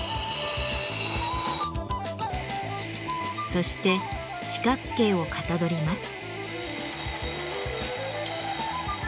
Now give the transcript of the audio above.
そして四角形をかたどります。